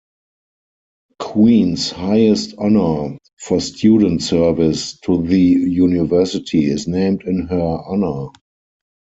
Queen's highest honour for student service to the University, is named in her honour.